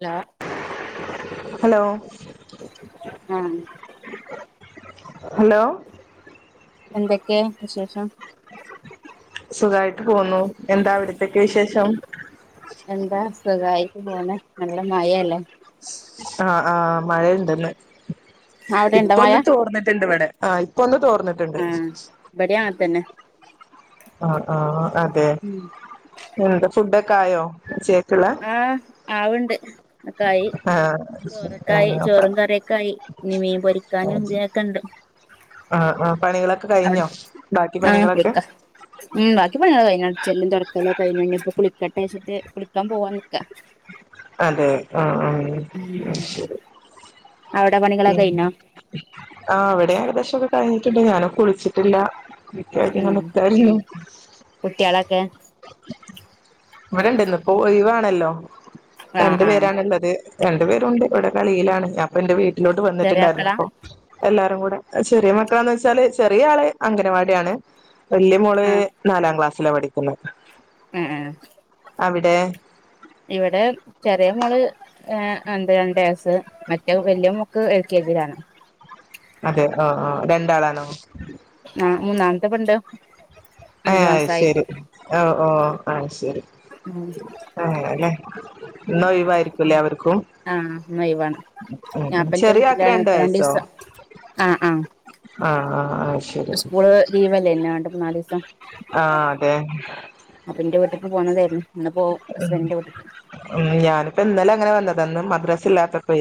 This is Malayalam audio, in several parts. ഹലോ ഹലോ ആഹ് ഹലോ എന്തക്കേ വിശേഷം സുഖായിട്ട് പോന്നുന്നു എന്താ അവിടത്തയൊക്കെ വിശേഷം എന്താ സുഖായിട്ട് പോണ് നല്ല മഴല്ലേ ആ ആ മഴയുണ്ട് ല്ലെ അവിടെ ഇണ്ടോ മഴ ഇപ്പൊന്ന് തോർന്നിട്ടുണ്ട് ഇവിടെ ആ് ഇപ്പൊൊന്ന് തോർന്നിട്ടുണ്ട് ആഹ് ഇബടിം അങ്ങനെ തന്നെ ഉം ആ ആ അതെ എന്താ ഫുഡൊക്കെ ആയോ ആഹ് ആവ്ണ്ട് ഒക്കെ ആയി ആ ചോറൊക്കെ ആ ആയി ചോറും കറിയൊക്കെ ആയി ഇനി മീൻ പൊരിക്കാനും ഇതിനൊക്കെ ഉണ്ട് ആ ആ പണികളൊക്കെ കഴിഞ്ഞോ ബാക്കി ആ പണികളൊക്കെ കുളിക്ക ഉം ബാക്കി പണികളൊക്കെ കഴിഞ്ഞു അടിച്ചു വാരലും തുടക്കലൊക്കെ കഴിഞ്ഞു ഇനി ഇപ്പൊ കുളിക്കട്ടെ കുളിക്കാൻ പോവാൻ നിക്ക അതെ ആ ആ ഉം ശരി അവിടെ പണികളൊക്കെ കഴിഞ്ഞോ ആ ഇവിടെ ഏകദേശംൊക്കെ കഴിഞ്ഞിട്ടുണ്ട് ഞാനും കുളിച്ചിട്ടില്ല ഇക്കായിട്ട് ഇങ്ങനെ ഉം നിക്കായിരുന്നു കുട്ട്യാളൊക്കെ ഇവിടെണ്ട് ഇന്ന് ഇപ്പോ ഒയിവാണല്ലോ ആഹ് രണ്ടു ആഹ് പേരണുള്ളത് രണ്ടു പേരുണ്ട് ഇവിടെ കളിയിലാണ് ഞാപ്പം എന്റെ വീട്ടിലോട്ട് ചെറിയ വന്നിട്ടുണ്ടായിരുന്നു മക്കളാ അപ്പൊ എല്ലാരും കൂടെ ചെറിയ മക്കളാന്ന് വെച്ചാല് ചെറിയ ആള് അംഗനവാടിയാണ് വല്ിയ മോള് നാലാം ക്ലാസ്സിലാ പഠിക്കുന്നത് േഏ േഏ അവിടെ ഇവിടെ ചെറിയ മോള് എന്താ രണ്ട് വയസ്സ് മറ്റേ വലിയ മോക്ക് ക്കെതിരാണ് അതെ ആ ആ രണ്ടാളാണോ ആ മൂന്നാമത്തെ പെണ്ണ് ഹേ അഞ്ചു അത് മാസായി ശരി ഓ ഓ ആഹ ശരി ഉം അങ്ങന്യാണ് ലെ ഇന്ന് ഒഴിവായിരിക്കും ല്ലേ അവർക്കും ആഹ് ഇന്നൊയിവാണ് ഉം ഉം ഞാപ്പം ന്റെ ചെറിയ ആക്ക് വീട്ടിലാണ് ഇപ്പ രണ്ട് വയസ്സോ ദിവസം ആഹ് ആഹ് ആ ആ അത് ശരി സ്കൂള് ലീവല്ലേയിന്യോ രണ്ടു മൂന്നാലീസം ആഹ് അതെ അപ്പൊ ന്റെ വീട്ട്ക്ക് പോതായിരുന്നുന്ന ഉ ഉ ഞാനിപ്പോ ഇന്നല അങ്ങനെ വന്നതാ ഇന്ന് ഇപ്പം മദ്രാസ് ഇല്ലാത്തപ്പോ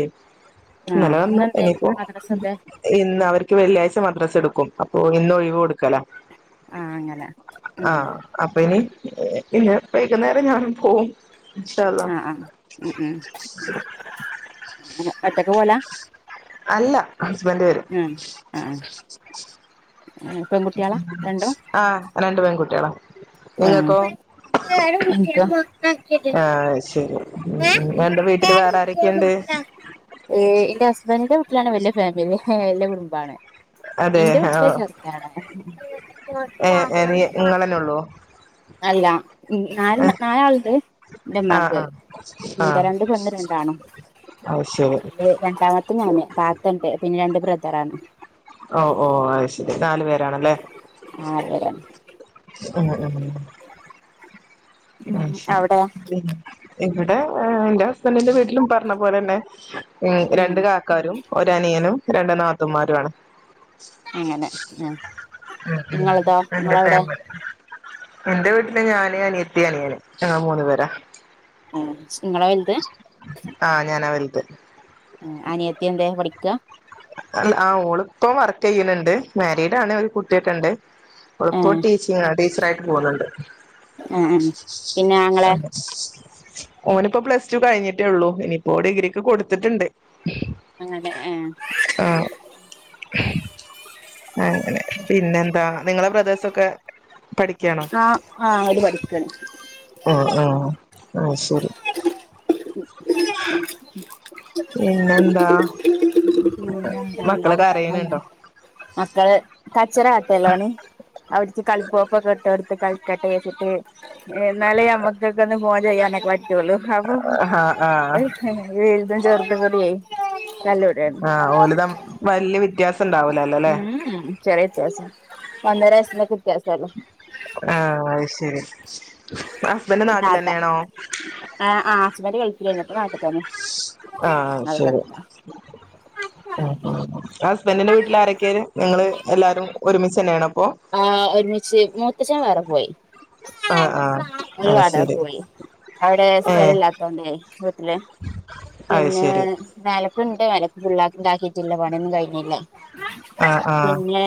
ആഹ് നല്ലെ വന്നു ഇന്നെന്തേ ഇനിയിപ്പോ മദ്രസല്ലേ ഇന്ന് അവർക്ക് വെള്ളിയാഴ്ച മദ്രാസ് എടുക്കും ഓ ഇന്ന് ഒഴിവ് കൊടുക്കലാ ആഹ് അങ്ങനെ ഉം ആഹ് അപ്പൊ ഇനി ഇന്ന് വൈകുന്നേരം ഞാനും പോവും ഇൻഷാഅള്ളാഹ് ആഹ് ആഹ് ഉം ഉം അങ്ങനെ ഒറ്റക്ക് പോവലാ അല്ല ഹസ്ബൻഡ് വരും ഉം ആഹ് പെൺകുട്ടികളാ രണ്ടും ആഹ് രണ്ട പെൺകുട്ടികളാ നിങ്ങക്കോ ആഹ് ഇൻക്കും ആഹ് ശരി [inaudible] എന്താ വീട്ടില് വേറെ ആരൊക്കെയുണ്ട് ഏ എന്റെ ഹസ്ബൻറിിന്റെ വീട്ടിലാണെകിൽ വലിയ ഫാമിലി വല്ല്യ കുടുംബമാണ് അതെ എന്റെ ആഹ് വീട്ടില് ഏഹ് ഏഹ് നീ [unintelligible] നിങ്ങളന്നെ ഉള്ളൂ അല്ല ൻ നാല് ഏഹ് നാലാള്ണ്ട് ഇന്റെ ഇമ്മാക്ക് ആഹ് ആഹ് ഇന്ത രണ്ട് ആഹ് പെണ്ണും രണ്ടാണ്ണും അത് ശരി രണ്ടാമത്തത് ഞാന് കാ ണ്ട് പിന്നെ രണ്ട് ബ്രദറാണ് ഒ ഓ അഹ് ശെരി നാല് പേരാണല്ലേ നാല് പേരാണ് അഹ് ആഹ് ഉം അഹ് ശെരി അവിടെ കുളി കഴിഞ്ഞോ? ഇവിടെ ഇന്റെ ഹസ്ബന്റിന്റെ വീട്ടിലും പർഞ്ഞ പോലെന്നെ ഉം രണ്ട് കാക്കാരും ഒരനിയനും, രണ്ട് നാത്തൂമാരും ആണ് അങ്ങനെ ഹേ ഉം ഉം [unintelligible] ഇന്റെ വീട്ട്ല് ഞാന്, അനിയത്തി, അനിയന്, ഞങ്ങള് മൂന്ന് പേരാ ഏഹ് ഇങ്ങളാ വെൽത്? ആഹ് [unintelligible] അനിയത്തിഎന്തേ പടിക്ക ആഹ് ആഹ് ഓളിപ്പം വർക്കെയുണുണ്ട് മാരീഡ് ആണ് ഒരു കുട്ടിക്കേണ്ട് ഒളുപ്പോ ഏഹ് ടീച്ചിങ് ടീച്ചറായിട്ട് പോകുന്നുണ്ട് [inaudible] ആഹ് ആഹ് പിന്നെ ആങ്ങളെ ഓൻ ഇപ്പോ പ്ലസ് ടു കഴിഞ്ഞിട്ടേ ഉള്ളൂ ഇനിയിപ്പോ ഡിഗ്രിക്ക് കൊടുത്തിട്ടുണ്ട് അങ്ങനെ അം ആഹ് അങ്ങനെ പിന്നെന്താ നിങ്ങളെ ബ്രദേഴ്സൊക്കെ പഠിക്കാണോ [unintelligible] ഹ അര് പഠിക്കാണ് ഓയ് അയു ശരി ഇന്നെന്താ [inaudible] മക്കള് കച്ചറ കാട്ടല്ലോഓണ് അവിടു കളിപ്പോപ്പൊക്കെ ഇട്ട കോടുത്ത് കളിക്കട്ടെ വെച്ചിട്ട് എന്നാലേ നമ്മുക്കൊക്കെ ഒന്ന് ഫോൺ ചെയ്യാനൊക്കെ പറ്റ് ഇവളു ആഹ് ആഹ് [unintelligible] വലുതും ചെറുതുംകൂടി തല്ലുകൂടാണ് [unintelligible] വല്യവ്യത്യാസം ഉം ചെറിയ വ്യത്യാസം ഒന്നര വയസിന്റെക്ക് വ്യത്യാസല്ലേ ആഹ് അയ് ശരി ഹസ്ബൻഡ് [unintelligible] നാട്ടിൽ തന്നെയാണോ ആഹ് ആഹ് ഹസ്ബെന്റ ഗൾഫിലെരുന്നു ഇപ്പ നാട്ടിൽ ആഹ് [unintelligible] അത് [unintelligible] ഹസ്ബന്റിന്റെ വീട്ടിൽ ആരൊക്കെന് നിങ്ങള് എല്ലാരും ഒരുമിച്ച്ന്നെ ആണോ ആഹ് ഒരുമിച്ച് മൂത്തച്ഛൻ വേറെ പോയി ആഹ് ആഹ് ഓല്ല് അത് ശരി വാടകക്ക്പോയി അവിടെ ഏഹ് സ്ഥലല്ലാത്തോണ്ടേ വീട്ടില് അത് പിന്നെ ശരി നെലത്ത് ത്ത്ണ്ട് മേലേക്ക് ഫുള്ളാ [unintelligible] ആക്കിറ്റില്ല പണിയൊന്നും കഴിഞ്ഞില്ല ആഹ് ആഹ് പിന്നെ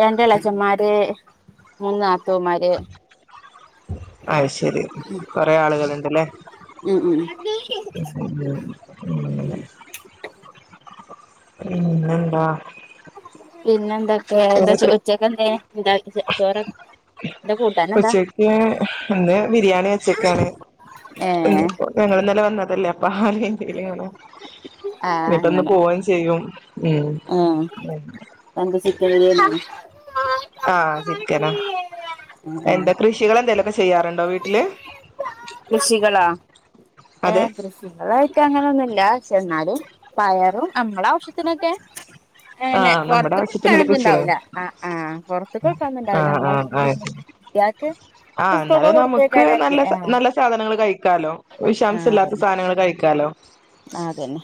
രണ്ടെളേച്ചന്മാര് മൂന്ന് നാത്തൂമ്മാര് അയ്ശരി കൊറെ ആളുകള്ണ്ട്ല്ലേ ഉം ഉം ഉം ഉം പിന്നെന്താ? പിന്നെന്തൊക്കെ എന്താ ചോ ഉച്ചക്കെന്തേ ഇണ്ടാക്കി ചോറൊക് ഉച്ചക്ക് ഇന്ന് ബിരിയാണി വെച്ചക്കാണ് ഏ ഇന്നിപ്പോ ഞങ്ങള് ഇന്നലെ വന്നതല്ലേ അപ്പ [unintelligible] ആ ഇനിയിപ്പന്ന് അങ്ങനെ പോകയും ചെയ്യും ഉം ഉം എന്താ [unintelligible] ആഹ് ചിക്കനാ ആ എന്താ കൃഷികൾ എന്തെലൊക്കെ ചെ ചെയ്യാറുണ്ടോ വീട്ടില്? കൃഷികളാ ഏ അതെ കൃഷികളായിട്ട് അങ്ങനൊ ഒന്നുല്ലാ ലാചെന്നാലും പയറും നമ്മള ആവശ്യത്തിനൊക്കെ അങ്ങനെ ആഹ് നമ്മുടെ പൊറത്തിക്ക് ആവശ്യത്തിനുള്ള കൊടുക്കാനൊന്നും കൃഷികള് ഉണ്ടാവില്ല ആ ആ പൊറത്തക്ക് കൊടുക്കാനൊന്നും ഉണ്ടാവില്ല അമ്മളെഷ്ടത്തിന് നമ്മക്ക് യാക്ക് ആ ഒന്ന് എന്നാലും നമുക്ക് നല്ല നല്ല സാധനങ്ങൾ കഴിക്കാലോ ആഹ് വിഷാംസമില്ലാത്ത അതന്നെ സാധനങ്ങൾ കഴിക്കാലോ അതന്നെ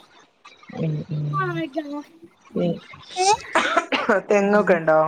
ഉ തെങ്ങൊക്കെ ഉണ്ടോ